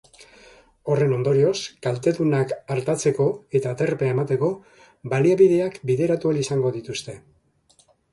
Horren ondorioz, kaltedunak artatzeko eta aterpea emateko baliabideak bideratu ahal izango dituzte.